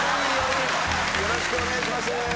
よろしくお願いします。